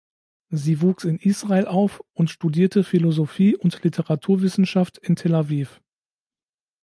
Sie wuchs in Israel auf und studierte Philosophie und Literaturwissenschaft in Tel Aviv.